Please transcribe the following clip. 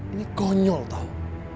ini konyol tau